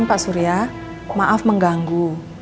pak surya maaf mengganggu